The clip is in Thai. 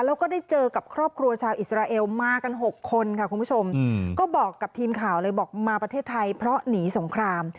แล้วก็ได้เจอกับครอบครัวชาวอิสราเอลมากัน๖คนค่ะคุณผู้ชมก็บอกกับทีมข่าวเลยบอกมาประเทศไทยเพราะหนีสงคราม